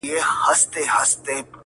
ما چي پېچومي د پامیر ستایلې!!